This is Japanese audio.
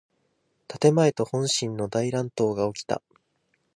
建前と本心の大乱闘がおきた。